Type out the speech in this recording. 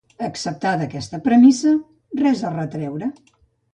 Acceptada aquesta premissa, res a retreure.